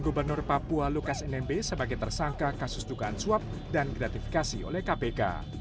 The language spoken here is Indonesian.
gubernur papua lukas nmb sebagai tersangka kasus dugaan suap dan gratifikasi oleh kpk